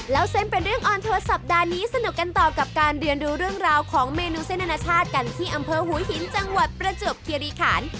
แล้วเส้นเป็นเรื่องออนทัวร์สัปดาห์นี้สนุกกันต่อกับการเรียนดูเรื่องราวของเมนูเส้นอนาชาติกันที่อำเภอหัวหินจังหวัดประจวบคิริขัน